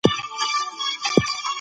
خپل کار د نړیوالو معیارونو سره سم کړئ.